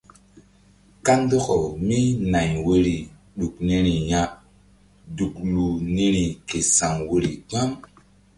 Kandɔkawmínay woyri ɗuk niri ya duklu niri ke sa̧w woyri gbam.